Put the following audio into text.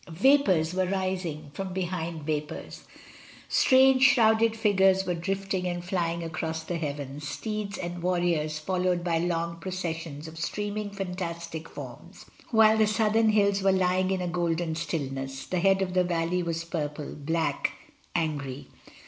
Vapours were rising from be hind vapours, strange shrouded figures were drifting and flying across the heavens, steeds and warriors 246 MRS. DYMOND. followed by long processions of streaming fantastic forms; while the southern hills were lying in a golden stillness, the head of the valley was purple, black — angry.